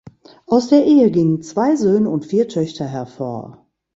Aus der Ehe gingen zwei Söhne und vier Töchter hervor.